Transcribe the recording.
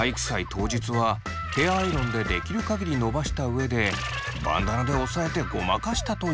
当日はヘアアイロンでできる限り伸ばした上でバンダナで押さえてごまかしたといいます。